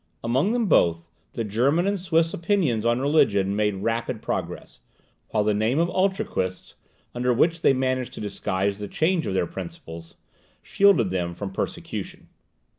Among them both, the German and Swiss opinions on religion made rapid progress; while the name of Utraquists, under which they managed to disguise the change of their principles, shielded them from persecution.